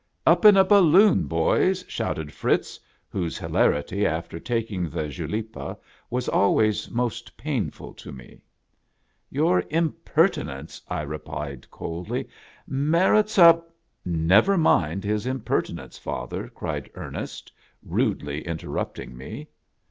" Up in a balloon, boys !" shouted Fritz, whose hilarity after taking the Julepa was always most pain ful to me. " Your impertinence," I replied coldly, " merits a ..."." Never mind his impertinence, father," cried Er nest, rudely interrupting me.